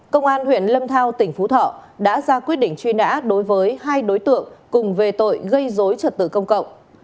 công an huyện lâm thao tỉnh phú thọ đã ra quyết định truy nã đối với hai đối tượng cùng về tội gây dối trật tự công cộng